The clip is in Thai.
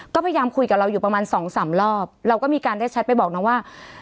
ก็พยายามคุยกับเราอยู่ประมาณสองสามรอบเราก็มีการได้แชทไปบอกน้องว่า